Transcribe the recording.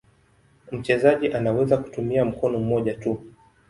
Mchezaji anaweza kutumia mkono mmoja tu.